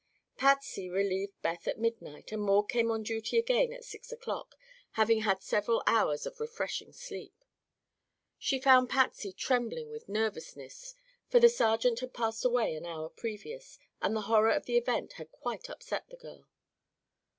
Patsy relieved Beth at midnight and Maud came on duty again at six o'clock, having had several hours of refreshing sleep. She found Patsy trembling with nervousness, for the sergeant had passed away an hour previous and the horror of the event had quite upset the girl.